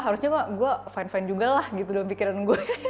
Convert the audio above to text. harusnya kok gue fine fine juga lah gitu dalam pikiran gue